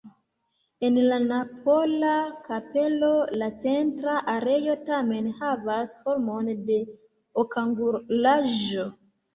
En la napola kapelo la centra areo tamen havas formon de okangulaĵo.